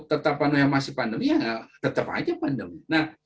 jika pandemi masih tetap berjalan kita tetap akan mengalami pandemi